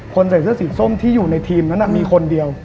ใส่เสื้อสีส้มที่อยู่ในทีมนั้นมีคนเดียว